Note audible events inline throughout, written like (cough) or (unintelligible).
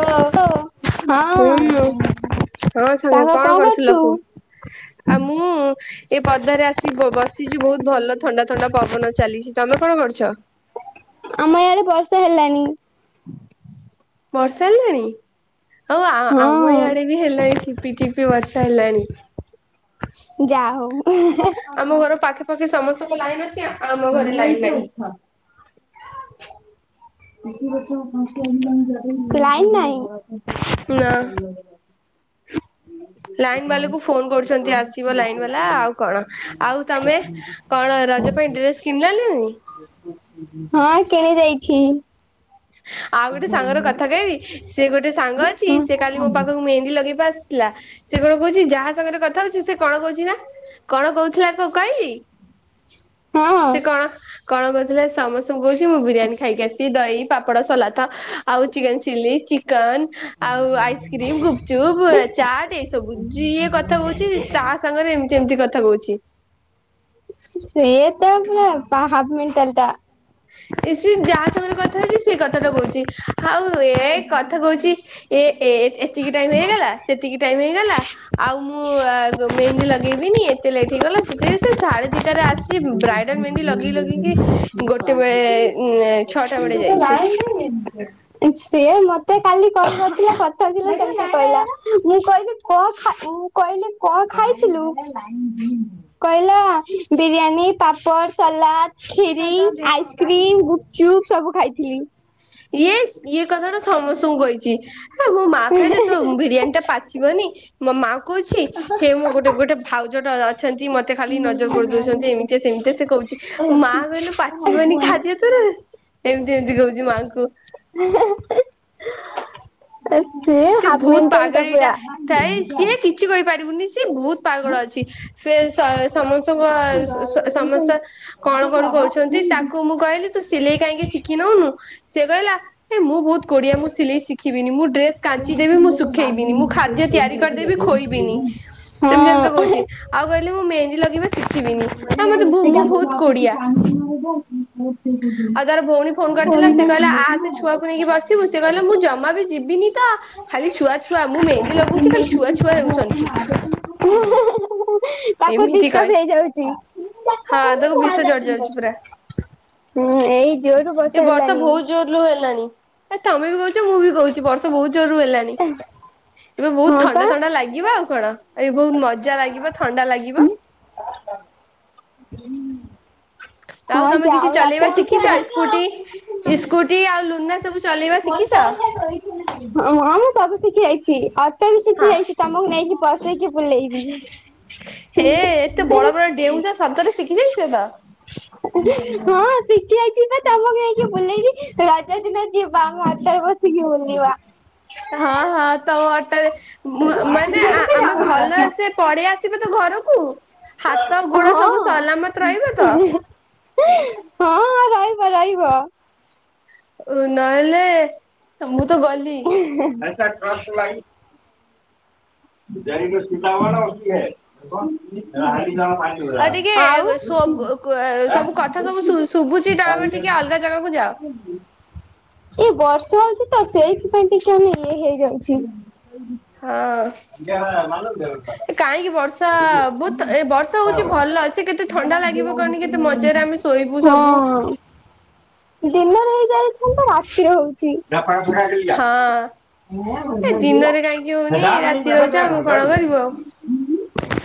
ହ ହଁ ହୁଁ ସାଙ୍ଗ ହଁ ସାଙ୍ଗ କଣ କରୁଥିଲ କୁହ ଆଉ ମୁଁ ଏ ପଦାରେ ଆସି ବସିଛି ବହୁତ ଭଲ ଥଣ୍ଡା ଥଣ୍ଡା ପବନ ଚାଲିଛି ତମେ କଣ କରୁଛ? ଉଁ ବର୍ଷା ହେଲାଣି। ହୋଉ ଆ ଆମ ହଁ ଇଆଡେ ବି ହେଲାଣି ଠିପି ଠିପି ବର୍ଷା। ହେଲଣି ଯା ହୋଉଉ। ଆମ ଘର ପାଖା ପାଖି ସମସ୍ତେ ଲାଇନ ଅଛି ସେ ଆମ ଘରେ ଲାଇନ ନାହିଁ। ଲାଇନ ନାଇଁ। ନାଁ ଲାଇନ ବାଲାକୁ ଫୋନ କରୁଛନ୍ତି ଆସିବ ଲାଇନ ବାଲା ଆଉ କଣ ଆଉ ତମେ କଣ ରଜ ପାଇଁ ଡ୍ରେସ କିଣିଲ ନାଁ ନାଇଁ । ହଁ କିଣି ଦେଇଛି । ଆଉ ଗୋଟେ ସାଙ୍ଗର କଥା କହିବି ସେ ଗୋଟେ ସାଙ୍ଗ ଅଛି ସେ କାଲି ମୋ ପାଖରୁ ମେହେନ୍ଦୀ ଲଗେଇବା ଆସ ଥିଲା ସେ କଣ କହୁଛି ଯାହା ସାଙ୍ଗରେ କଥା ହଉଛି ସେ କଣ କହୁଛି ନା କଣ କହୁଥିଲା (inaudible) କାହିବି ହଁ ସେ କଣ କଣ କହୁଥିଲେ ସମସ୍ତଙ୍କୁ କହୁଛି ମୁଁ ବିରିୟାନୀ ଖାଇକି ଆସି ଦହି ପାପଡ଼, ସଲାଟ ଆଉ ଚିକେନ ଚିଲି, ଚି ଚନ ଆଉ ଆଇସ୍କ୍ରିମ, ଗୁପଚୁପ୍, ଚାଟ୍, ଏଇ ସବୁ ଯିଏ କଥା କହୁଛି ତା ସାଙ୍ଗରେ ଏମତି ଏମତି କଥା କହୁଛି। ସେ (inaudible) ପୂରା ହାଫ ମେଣ୍ଟାଲ ଟା। ଏ ସିଏ ଯାହା ସାଙ୍ଗରେ କଥା ହେଉଛି ସେଇ କଥାଟା କହୁଛି। ହଉ ଏ କଥା କହୁଛି ଏ ଏ ଏତିକି ଟାଇମ ହେଇଗଲା ସେତିକି ଟାଇମ ହେଇଗଲା ଆଉ ମୁଁ ମେହେନ୍ଦୀ ଲଗେ଼ଇବିନି ଏତେ ଲେଟ ହେଇଗଲା ସେ ସେ ସାଢେ ଦିଟାରେ ଆସି ସେ ବ୍ରାଇଡାଲ ମେହନ୍ଦି ଲଗେଇ ଲଗେଇକି (inaudible) ଗୋଟେ ବେଳେ ଛଅଟା ବେଳେ ଯାଇଛି। ସେ ମତେ ମତେ କାଲି କଲ କରି (inaudible) କଥା କହିଲା କେମିତି କହିଲା। ମୁଁ କହିଲି କଣ ମୁଁ କହିଲି କଣ ଖାଇଥିଲୁ। କହିଲା ବିରିୟାନୀ। ପାମ୍ପଡ଼ ସାଲାଟ କ୍ଷିରୀ ଆଇସ୍କ୍ରିମ ଗୁପଚୁପ ସବୁ ଖାଇଥିଲି। ଇସ୍ ଇଏ କଥା ଟା ସମସ୍ତଙ୍କୁ କହିଛି ।ମୋ ମା କହିଲେ ତୋ ବିରିୟାନୀ ଟା ପାଚିବନି ମୋ ମା କହୁଛି ହେ ମୁଁ ଗୋଟେ ଗୋଟେ ଭାଉ ଯୋଟ ଅଛନ୍ତି ମତେ ଖାଲି ନଜର କରିଦଉଛନ୍ତି ଏମିତି ସେମିତି ସେ କହୁଛି ।ମା କହିଲେ ପାଚିବନି ଖାଦ୍ୟ ତୋର। ଏମିତି ଏମିତି କହୁଛି ମା ଙ୍କୁ। ଙ୍କୁ। (inaudible) ସେ ହାପ ବହୁତ ମେଣ୍ଟଲଟା ପୁରା। ପାରିବନି ସିଏ ବହୁତ ପାଗଳ ଅଛି। ସେ ସମସ୍ତଙ୍କ ସମସ୍ତ କଣ କଣ କରୁଛନ୍ତି ତାକୁ ମୁଁ କହିଲି ତୁ ସିଲେଇ କାହିଁକି ଶିଖି ନଉନୁ। ସେ କହିଲା ହେ ମୁଁ ବହୁତ କୋଢିଆ‌ ମୁଁ ସିଲେଇ ସିଖି ସିକିବିନି ମୁଁ ଡ୍ରେସ କାଞ୍ଚିଦବି ମୁଁ ଶୁଖେଇବିନି ମୁଁ ଖାଦ୍ୟ ତିଆରି କରିଦେବି ଖୋଇବିନି ଏମିତି ଏମିତି କହୁଛି ।ଆଉ କହିଲି ମୁଁ ମେ ହେନ୍ଦୀ ଲଗେଇବା ଶିକି ଖିବିନି ଆ ମତେ ମୁଁ ବହୁତ କୋଢିଆ। ଆଉ ତାର ଭଉଣୀ ଫୋନ କରିଥିଲା ସେ କହିଲା ଆସେ ଛୁଆକୁ ନେଇକି ବସିବୁ ।ସେ କହିଲା ମୁଁ ଜମା ବି ଯିବିନି ତ ଖାଲି ଛୁଆ ଛୁଆ ମୁଁ ମେହେନ୍ଦୀ ଲଗଉଛି ଖାଲି ଛୁଆ ଛୁଆ ହେଉଛନ୍ତି। ତାକୁ ଏମିତି କହେ ଡିଷ୍ଟବ ହେଇଯାଉଛି। ହଁ ତାକୁ ବିଷ ଚଢି ଯାଉଛି ପୁରା ହୁଁ ଏଇ ଜୋର ବର୍ଷା ଏ ବର୍ଷ ହେଲାଣି ବହୁତ ଜୋରରୁ ହେଲାଣି। ଏ ତମେ ବି କହୁଛ ମୁଁ ବି କହୁଛି ବର୍ଷ ବହୁତ ଜୋରରୁ ହେଲାଣି। ଏବେ ବହୁତ ହଁ ପା ଥଣ୍ଡା ଥଣ୍ଡା ଲାଗିବ ଆଉ କଣ? ଏଇ ବହୁତ ମଜା ଲାଗିବ ଲାଗିବ (inaudible) ଆଉ ହଁ ତମେ ଯାଉ କିଛି ଚଲେଇବା ରାତିରେ ଟିକେ ଶିଖିଛ ସ୍କୁଟି ସ୍କୁଟିଆଉ ଲୁନା। ସବୁ ଚଲେଇବା ହ ମୁ ଶିଖିଛ ସବୁ। ିକିଆଛି ଆ (unintelligible) ତ ବି ସେଠି ହଁ ଯାଇଛି ତମକୁ ନେଇକି ବସେଇକି ବୁଲେଇବି ହେ ଏତେ ବଡ ବଡ ଡେଉଁଛ ସତରେ ଶିଖି ଯାଇଛ ତ ହଁ ଶିଖି ଶିଖି ଯାଇଛିପା ତମକୁ ନେଇକି ବୁଲେଇବି ରଜ ଦିନ ଯିବା ଅଟରେ ବସିକି ବୁଲିବା। ହଁ ହଁ ତୋ ଅଟରେ ମାନେ ଆମେ ଭଲ ସେ ପଢେଇ ଆସିବା ତ ଘରକୁ ଆ କ (inaudible) ହାତ ଗୋଡ ସବୁ ହଁ। ସଲାମତ ରହିବ ତ ରାଇବ ଉ ନହେଲେ ମୁଁ ତ ଗଲି ଆସ ଭ (unintelligible) ୂଜାର ସୀତା ବଡ କିଏ (unintelligible) ଆଉ ଟିକେ ସବ ସବୁ କଥା ସବୁ ଶୁଭୁଛି ତ ଆମେ ଟିକେ ଅଲଗା ଜାଗାକୁ ଯାଅ ଛି ତ ସେଇଥିପାଇଁ ଟିକେ ଇଏ ହେଇଯାଉଛି। ହଁ। ହଁ (unintelligible) କାହିଁକି ବର୍ଷା ବହୁତ ଏ ବର୍ଷା ହଉଛି ଭଲ ସେ କେତେ ଥଣ୍ଡା ଲାଗିବ କହନି କେତେ ମଜାରେ ଆମେ ଶୋଇବୁ ସବୁ ହେଇ ଯାଇଥାନ୍ତା ରାତିରେ ହଉଛି ଏା ପରଳପରାା ହଁ। ମ (unintelligible) ରହୁଛ ଆମଁ କଣ କରିବୁ ଆଉ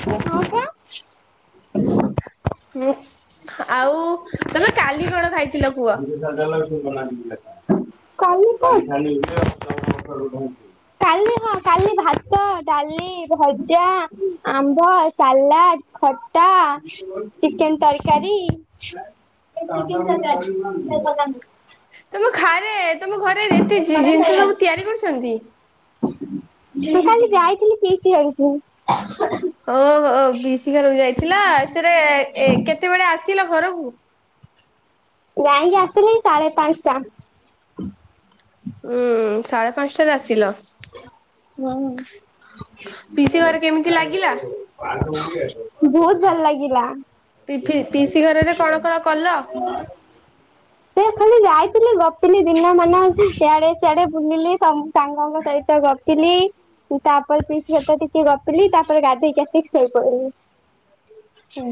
ହଁ ପା ହୁଁ (inaudible) ଆଉ ତମେ କାଲି କଣ ଖାଇଥିଲ କୁହ କାହିଲି ପା କାଲି ହଁ କାଲି ଭାତ ଡାଲି ଭଜା ଆମ୍ବ ସାଲାଡ ଖଟା ଚିକେନ ତରିକାରୀ (unintelligible) ତମ ଖାଇ ଆରେ ତମ ଘରେ ଏତେ ଜିନିଷ ସବୁ ତିଆରି କରୁଛନ୍ତି। ଝୁନ କାଲି ଯାଇଥିଲି ପିଇସୀ ଘରକୁ। ଓହୋ ପିଇସି ଘରକୁ ଯାଇଥିଲ ଏସେରେ ଏ କେତେବେଳେ ଥିଲ ଘରକୁ ଯାାଇଁକି ଆସିଲି ସାଢେ ପାନସ୍ଟା। ଉଁ ସାଢେ ପାନଷ୍ଟାରେ ଆସିଲ। ହୁଁ ପିଇସି ଘରେ କେମିତି ଲାଗିଲା? ଭୋଉତ ଭଲ ଲାଗିଲା। (inaudible) ପି ଫି ପିଇସି ଘରରେ କଣ କଣ କଲ? ସେ ଖାଲି ଯାଇଥିଲି ଗପିଲି ଦିନ ମାନ ଇଆଡ଼େ ସିଆଡେ ବୁଲିଲି ସଙ୍ଗ ସାଙ୍ଗଙ୍କ ସହିତ ଗପିଲି ତାପରେ ପିଇସି ସହିତ ଟିକେ ଗପିଲି ତାପରେ ଗାଧେଇକି ଆସିକି ଶୋଇପଇଲି।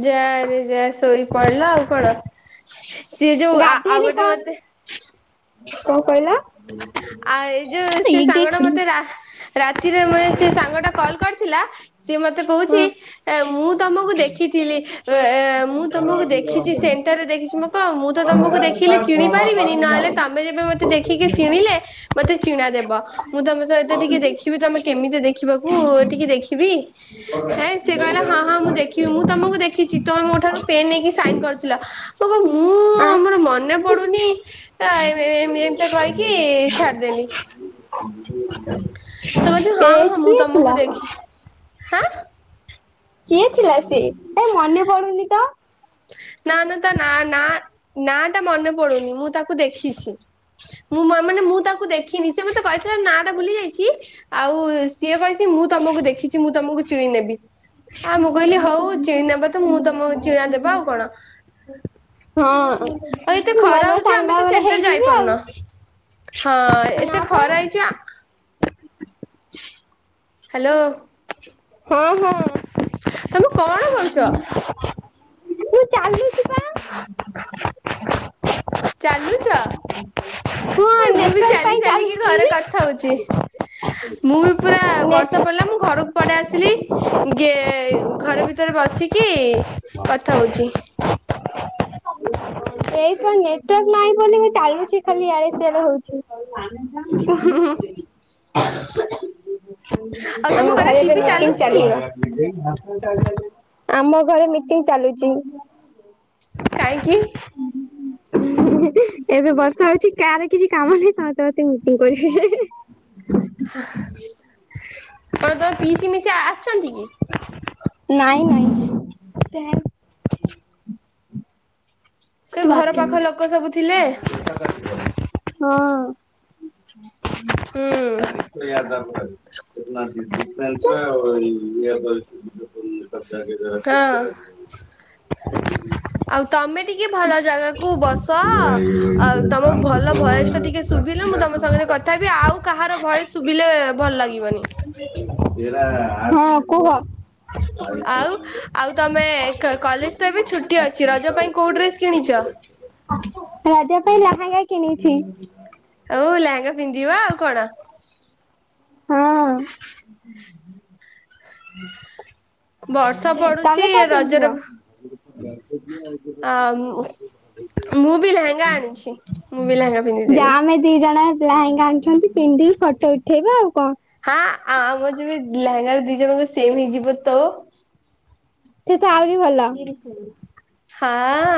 ଯାରେ ଯା ସୋଇ ପଡିଲ ଆଉ କଣ। ସିଏ ଯୋଉ ଆ ଆଉ ଗୋଟେ ମତେ ହଉ କହିଲା। ଆଉ ଏଇ ଯୋଉ ସେ ସାଙ୍ଗଟା ତେ ରା ରାତିରେ ମୁଁ ଏ ସେ ସାଙ୍ଗଟା କଲ କରିଥିଲା ସିଏ ମତେ ହଁ କୋହୁଚି ଏ ମୁଁ ତମୁକୁ ଦେଖିଥିଲି ଏ ମୁଁ ତମୁକୁ ଦେଖିଚି ସେଣ୍ଟରରେ ଦେଖିଚି ମୁ କ ମୁଁ ତ ତମୁକୁ ଦେଖିଲି ଚିଣି ପାରିବିନି ନହେଲେ ତମେ ଯେବେ ମତେ ଦେଖିକି ଚିଣିଲେ ମତେ ଚିଣା ଦେବ। ମୁଁ ତମ ସହିତ ଟିକେ ଦେଖିବି ତମେ କେମିତି ଦେଖିବାକୁ ଟିକେ ଦେଖିବି ହେଁ। ସେ କହିଲା ହଁ ହଁ ମୁଁ ଦେଖିବି ମୁଁ ତମୁକୁ ଦେଖିଚି ତମେ ମୋ ଠାରୁ ପେନ୍ ନେଇକି ସାଇନ କରିଥିଲ ମୁଁ ମୁଁ ଆଁ ମୋର ମନେ ପଡୁନି ଆ ଏମ୍-ଏମ୍ ଏମିତିଆ କି ଛାଡିଦେଲି ସେ କୋଉଚି ହଁ ଏ ହଁ ମୁଁ କିଏ ଥିଲା? ତମକୁ ଦେଖି ହାଁ କିଏ ଥିଲା ସିଏ? ଏ ମନେ ପଡୁନି ତ। ନାଁ ଆମେ ତା ନାଁ ନାଁ ନାଁ ଟା ମନେ ପଡୁନି ମୁଁ ତାକୁ ଦେଖି ଖିଚି। ମୁଁ ମ ମାନେ ମୁଁ (unintelligible) ଖିନି ସେ ମତେ କହିଥିଲା ନାଟା ଭୁଲି ଚି ଆଉ ସିଏ କଣ ମୁଁ ତମୁକୁ ଦେଖିଚି ମୁଁ ତମ ଚିଣି ନେବି। ଆଉ ମୁଁ କହିଲି ହଉ ଚିଣି ନେବ ତ ମୁଁ ତମୁ ଚିଣା ଦେବା ଆଉ କଣ। ହଁ। ଆଉ ଏତେ ନୂଆ ଖରା ନୂଆ ହୋଉଚି ସାଙ୍ଗ ଆମେ ତ ଆମର ସେଣ୍ଟର ହେଇଯିବେ ଯାଇପାରୁନା। ଆଉ। ହଁ ଏତେ ନା ପା ଖରା ହେଇଚି ହ୍ୟାଲୋ ହଁ ହଁ। ତମେ କଣ କରୁଛ? ଚାଲୁଛି ବା। ଚାଲୁଛ ହଁ ଏ ମୁଁ ବି ନେଟୱାର୍କ ଚାଲି ପାଇଁ ଚାଲିକି ଚାଲୁଛି ଘରେ କଥା ହଉଛି ମୁଁ ବି ପୁରା ନେ ବର୍ଷା ପଡିଲା ମୁଁ ଘରକୁ ପଡେ ଆସିଲି ଗ ଘର ଭିତରେ ବସିକି କଥା ହଉଚି। ଏଇ ନେଟୱାର୍କ ନାହିଁ ବୋଲି ଚାଲୁଛି ଖାଲି ୟାଡେ ସ୍ୟଡେ ହଉଛି। ଆନନ୍ଦାି (unintelligible) (inaudible) ଆଉ ତମ ଘରେ ଏବେ ଟିଭି ମିଟିଂ ଚାଲୁଛି କି ଚାଲିବ। ଆମ ଘରେ ମିଟିଂ ଚାଲୁଛି। କାହିଁକି ଏବେ ବର୍ଷା ହଉଛି କାହାର କିଛି କାମ ନାହିଁ ସମସ୍ତେ ବସିକି ମିଟିଂ କରିବେ। କଣ ତମେ ପିସି ମିଶି ଆସି ନ୍ତି କି? ନାଇଁ ନାଇଁ ସେ କୁଛ ବାତ ଘର ପାଖ କରିନି। ଲୋକ ସବୁ ଥିଲେ। ହଁ। ଆ ହୁଁ ାଦବ (unintelligible) ହ ନୟ (unintelligible) ହଁ ଆଉ ତମେ ଟିକେ ଟିକେ ଭଲ ଜାଗାକୁ ବସ ଆଉ ତମ ଭଲ ଭୟସ ଟା ଟିକେ ଶୁଭିଲୁ ମୁଁ ତମ ସଙ୍ଗେ କଥା ହେବି ଆଉ କାହାର ଭୟସ ଶୁଭିଲେ ଭଲ ଲାଗିବନି। ହଁ କୁହ? ଆଉ ଆଉ ତମେ କଲେଜ ତ ଏବେ ଛୁଟି ଅଛି ରଜ ପାଇଁ କୋଉ ଡ୍ରେସ କିଣିଛ? ରଜ ପାଇଁ ଲହେଙ୍ଗା କିଣିଛି। ହଉ ଲେହଙ୍ଗା ପିନ୍ଧିବା ଆଉ। କଣ? ହଁ। ହୁଁ। ବର୍ଷା ପଡୁଛି ରଜରେ ହ ଆ ମୁଁ ବି ଲେହେଙ୍ଗା ଆଣିଛି ମୁଁ ବି ଲେହେଙ୍ଗା ପିନ୍ଧିଦେବି। ଲାହିଙ୍ଗ ଆଣିୁଛନ୍ତି ପିନ୍ଧିକି ଫଟୋ ଉଠେଇବା ଆଉ କଣ। ହଁ ଆ ଆମର ଯବେ ଲେହେଙ୍ଗା ଦି ଜଣଙ୍କୁ ସେମ ହେଇଯିବ ତ। ସେ ତ ଆହୁରି ଭଲ। ହଁ,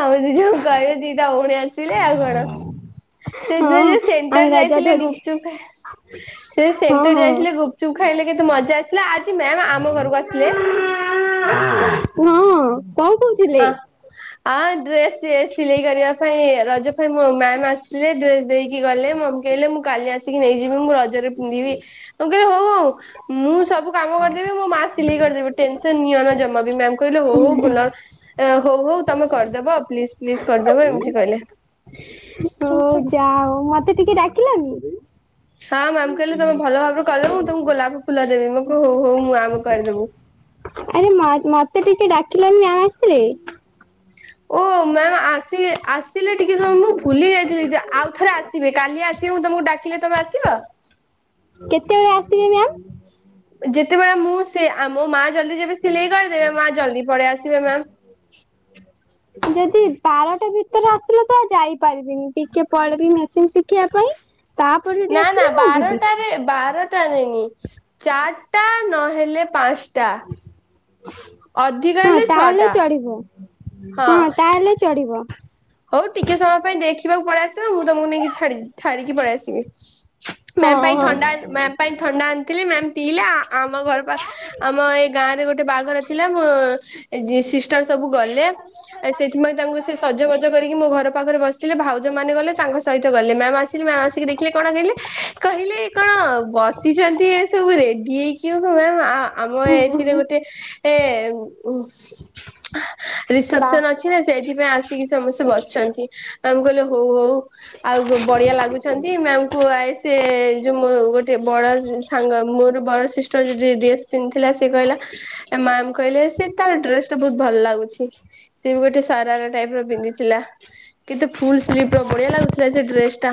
ଆମେ ଦି ଯଉ କହିବେ ଦିଟା ପୁଣି ଆସି, ଥିଲେ ଆଉ କଣ, ସେ ହଁ (unintelligible) ଆମେ ସେଣ୍ଟର ରଜ ଯାଇଥିଲେ ଦୋଳି ଗୁପଚୁପ ଖାଇ, ସେ ଯୋ ହଁ ସେଣ୍ଟର ହଁ ଯାଇଥିଲେ ଗୁପଚୁପ୍ ଖାଇଲେ କେତେ ମଜା ଆସିଲା, ଆଜି ମେମ ଆମ ଘରକୁ ଆସିଥିଲେ । ହଁ । କଣ କହୁଥିଲେ? ଆଉ ଡ୍ରେସ୍ ସେ ସିଲେଇ କରିବା ପାଇଁ ରଜ ପାଇଁ ମୋ ମାମ୍ ଆସିଲେ ଡ୍ରେସ ଦେଇକି ଗଲେ, ମମ୍ କହଲେ ମୁଁ କାଲି ଆସିକି ନେଇଯିବି ମୁଁ ର, ଜରେ ପିନ୍ଧିବି । (unintelligible) ହଉ, ମୁଁ ସବୁ, ସବୁ କାମ କରିଦେବି, ମୋ ମା ସିଲେଇ କରିଦବ ଟିଏ। ସ ନିଅନା ଜମା ବି, ମ୍ୟାମ୍। କହିଲେ ହୋ ହଉ ଗୁଲ, ଏ ହଉ ହଉ ତମେ କରିଦବ ପ୍ଲିଜ! ପ୍ଲିଜ କରିଦବ ଏମିତି କହିଲେ । ଆଉ ମତେ ଟିକେ ଡାକିଲନି? ହଁ ମାମ କହିଲେ ତମେ ଭଲ ଭାବରେ କଲେ, ମୁଁ ତମକୁ ଗୋଲାପ ଫୁଲ ଦେବି ମୁଁ, ହଉ ହଉ, ମୁଁ ଆମକୁ କରିଦବୁ । ଆରେ ମ ମତେ ଟିକେ ଡାକିଲନି ଆ ଆପରେ? ଓ ମେମ ଆ, ଆସି, ଆସିଲେ ଟିକେ ସମୟ ମୁଁ ଭୁଲି ଯାଇଥିଲି ଯେ ଆଉଥରେ ଆସିବେ, କାଲି ଆସିବେ ମୁଁ ତମକୁ ଡାକିଲେ ତମେ ଆସି, ଚ କେତେବେଳେ ଆସିବେ ମ୍ୟାାମ? (unintelligible) ଯେତେବେଳେ ମୁଁ ସେ ଆମ ମା, ଜଲଦି ଯେବେ ସିଲେଇ କରିଦେବେ, ମା ଜଲଦି ପଳେଇ ଆସିବେ ମ୍ୟାମ। ଯଦି ବାରଟା ଭିତରେ ଆସିଲ ତ ଯାଇ ପାରିବିନି, ପଳିବି ମେସିନ ଶିଖିବା ପାଇଁ, ତାପରେ ଯଦି ନା ନା ଆସିଲେ ମୁଁ ଯିବି। ବାରଟାରେ ବାର । ଟାରେ ନି, ଚାର୍ଟା ନହେଲେ ପାଞ୍ଚ । ଟା। ଅର୍ଧକ ହଁ ହେଲେ ତାହେଲେ ଛଅଟା ଚଢିବ ହଁ ତାହେଲେ ଚଡିବ । ହଉ ଟିକେ ସମୟ ପାଇଁ ଦେଖିବାକୁ ପଳେଇ ଆଶିବ ମୁଁ ତମକୁ ନେଇକି ଛାଡ଼ି ଛାଡିକି ପଳେଇ ଆସିବି। ହଁ ମେମ୍ ପାଇଁ ଥଣ୍ଡା ହଁ। ଆଣ ମେମ୍ ପାଇଁ ଥଣ୍ଡା ଆଣିଥିଲି ମେମ୍ ଟିଲା। ଆମ ଘର ପା ଆମ ଏଇ ଗାଁ ରେ ଗୋଟେ। ଗୋଟେ ବାହାଘର ଥିଲା ମୋ ସିଷ୍ଟର ସବୁ ଗଲେ। ଏ ସେଥିପାଇଁ ତାଙ୍କୁ ସେ ସଜବାଜ୍ ବାଜ କରିକି ମୋ ଘର ପାଖରେ ବସିଥିଲେ। ଭାଉ ଜ ମାନେ ଗଲେ ତାଙ୍କ ସହିତ ଗଲେ ମ୍ୟାମ୍ ଆସିଲେ ମ୍ୟାମ ଆସିକି ଦେଖିଲେ କଣ କହେ କହିଲେ କଣ ବସିଛନ୍ତି ଏ ସବୁରେ କିଏ କିଓ ତମେ ମା ଆମ ଏଇଥିରେ ଗୋଟେ ଗୋଟେ ଉ ବା ରିସେପସନ ଅଛି ନା ସେଇଥିପାଇଁ ଆସି ସେ ବସିଛନ୍ତି ମ୍ୟାମ କହିଲେ ହଉ ହଉ ଆଉ ବଢିଆ ଲାଗୁଛନ୍ତି ମ୍ୟାମ କୁ ଆ ଇ ସେ ଯୋଉ ମୋ ଗୋଟେ ବଡ଼ ସାଙ୍ଗ ମୋ ଠୁ ବଡ଼ ସିଷ୍ଟର ଯିଏ ଡ୍ରେସ ପନ୍ଧିଥିଲା ସିଏ କହିଲା ମାମ କହିଲେ ସେ ତା ଡ୍ରେସ ଟା ବହୁତ ଭଲ ଲାଗୁଛି। ସିଏ ବି ଗୋଟେ ସାରାରା ଟାଇପ ର ପିନ୍ଧିଥିଲା। କିନ୍ତୁ ଫୁଲ ସ୍ଲିଭ ର ବଢିଆ ଲାଗୁଥିଲା ସେ ଡ୍ରେସ ଟା।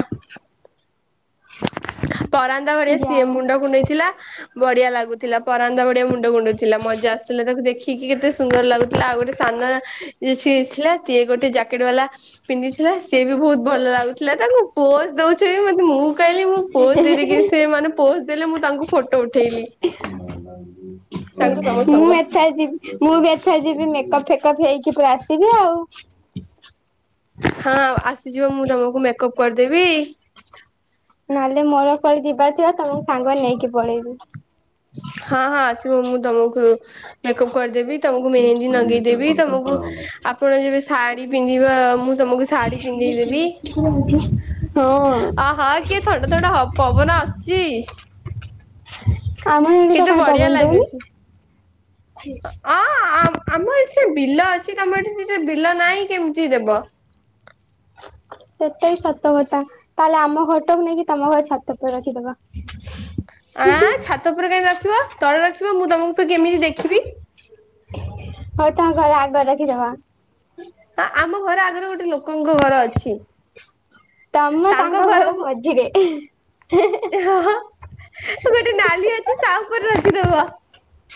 ପରାନ୍ତ ଘରେ ଯା ସିଏ ହଉ। ମୁଣ୍ଡ କୁଣ୍ଡେଇ ଥିଲା ବଢିଆ ଲାଗୁଥିଲା ପରାନ୍ତ ବଢ଼ିଆ ମୁଣ୍ଡ କୁଣ୍ଡେଇଥିଲା। ମଜା ଆସୁଥିଲା ତାକୁ ଦେଖିକି କେତେ ସୁନ୍ଦର ଲାଗୁଥିଲା। ଆଉ ଗୋଟେ ସାନ ଯେ ସିଏ ଥିଲା କିଏ ଗୋ ଗୋଟେ ଜ୍ୟାକେଟ ବାଲା ପିନ୍ଧିଥିଲା। ସିଏ ବି ବହୁତ ଭଲ ଲାଗୁଥିଲା ତାଙ୍କୁ ପୋଜ୍ ଦଉଛି ମତେ ମୁଁ କହିଲି ମୁଁ ପୋଜ ଦେଇଦେଇକି ସେ ମାନେ ପୋଜ ଦେଲେ ମୁଁ ତାଙ୍କୁ ଫଟୋ ଉଠେଇଲି ତାଙ୍କୁ ସମସ୍ତଙ୍କ ମୁଁ ଏଥ ଯିବି ମୁଁ ବି ଏଥର ଯିବି ମେକପ୍ ଫେ ଫେକପ ହେଇକି ପୁରା ଆସିବି ଆଉ। ହଁ ଆସିଯିବ ମୁଁ ତମକୁ ମେକଅପ କରିଦେବି। ନହେଲେ ମୋର କୁଆଡେ ଯିବା ତମକୁ ସାଙ୍ଗ ନେଇକି ପଳେଇବି। ହଁ ହଁ ଆସିବ ମୁଁ ତମକୁ ହୁଁ ମେକଅପ କରିଦେବି ତମକୁ ମେହେନ୍ଦୀ ନଗେଇଦେବି ତମକୁ ଆପଣ ଯେବେ ଶାଢୀ ପିନ୍ଧିବା ମୁଁ ତମକୁ ଶାଢୀ ପିନ୍ଧେଇ ଦେବି। ହଁ ଅହ କିଏ ଥଣ୍ଡା ଥଣ୍ଡା ପବନ ଆସୁଚି। ଆମର ଏଠି ତ କାଇଁ ପବନ ଦଉନି। ଅଁ ଆମ ଆମ ଏଠୀ ସେ ବିଲ ଅଛି ତମେ ଏଠି ସେ ବିଲ ନାହିଁ କେମିତି ଦେବ। ସେଟା ବି ସତ କଥା, ତାହେଲେ ଆମ ଘଟାକୁ ନେଇକି ତମ ଘର ଛାତ ଉପରେ ରଖିଦବା । ଆଁ ଛାତ ଉପରେ କାହିଁ ରଖିବ, ତଳେ ରଖିବ ମୁଁ ତମକୁ ତ କେମିତି ଦେଖିବି? ହଉ ତାଙ୍କ ଘର ଆଗରେ ରଖିଦବା । ହଁ, ଆମ ଘର ଆଗରେ ଗୋଟେ ଲୋକଙ୍କ ଘର ଅଛି । ତମ ତାଙ୍କ ଘର ମଝିରେ। ସେ ଗୋଟେ ନାଲି ଅଛି ତା ଉପରେ ରଖିଦବ।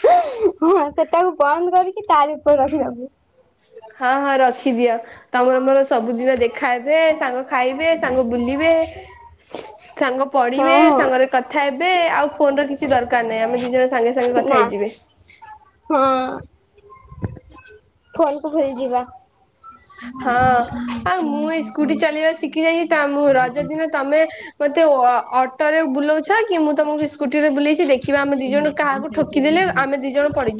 ହଁ ସେଟାକୁ ବନ୍ଦ କରିକି ତାରି ଉପରେ ରଖିଦବୁ। ହଁ ହଁ ରଖିଦିଅ ତମର ମୋର ସବୁଦିନ ଦେଖା ହେବେ, ସାଙ୍ଗ ଖାଇବେ, ସାଙ୍ଗ ବୁଲିବେ, ସାଙ୍ଗ ପଢିବେ, ସାଙ୍ଗରେ ହଁ କଥା ହେବେ, ଆଉ ଫୋନ ର କିଛି ଦରକାର ନାହିଁ ଆମେ ଦି ଜଣ ସାଙ୍ଗେ ସାଙ୍ଗେ କଥା ନା ହେଇଯିବେ। ଫୋନ କୁ ଭୁଲିଯିବା। ହଁ ଆଉ ହୁଁ ମୁଁ ଏଇ ହୁଁ। ସ୍କୁଟି ଚାଲିବା ଶିଖି ଯାଇଛି ତ ରଜ ଦିନ ତମେ ମତେ ଅଟୋ ରେ ବୁଲଉଛନ୍ କି ମୁଁ ତମକୁ ସ୍କୁଟି ରେ ବୁଲେଇଛି ଦେଖିବା ଆମେ ଦି ଜଣ କାହାକୁ ଠୁକିଦଲେ ଆମ ଦି ଜଣ ପଡି